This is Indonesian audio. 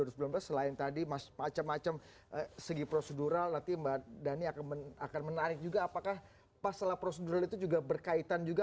selain tadi macam macam segi prosedural nanti mbak dhani akan menarik juga apakah pas salah prosedural itu juga berkaitan juga